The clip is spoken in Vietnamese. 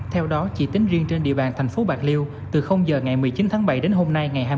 theo đó chỉ tính riêng trên địa bàn thành phố bạc liêu từ giờ ngày một mươi chín tháng bảy đến hôm nay ngày hai mươi